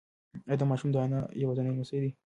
ایا دا ماشوم د انا یوازینی لمسی دی؟